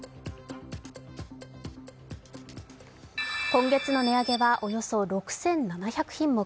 今月の値上げはおよそ６７００品目。